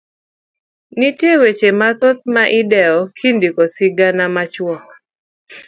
Nitie weche mathoth ma idewo kindiko sigana machuok.